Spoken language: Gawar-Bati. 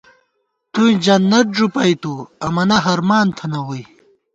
توئیں جنت ݫُپَئیتُو ، امَنہ ہرمان تھنہ ووئی